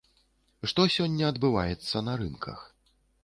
Што сёння адбываецца на рынках?